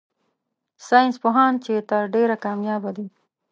ساينس پوهان چي تر ډېره کاميابه دي